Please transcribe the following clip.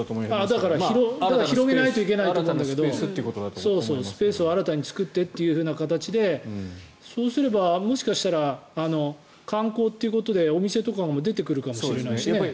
だから広げないといけないと思うんだけどスペースを新たに作ってという形でそうすればもしかしたら観光ということでお店とかが出てくるかもしれないしね。